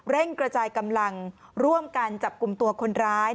กระจายกำลังร่วมกันจับกลุ่มตัวคนร้าย